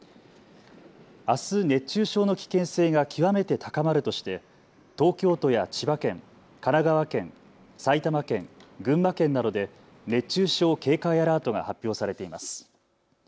あす熱中症の危険性が極めて高まるとして東京都や千葉県、神奈川県、埼玉県、群馬県などで熱中症警戒アラートが発表されています。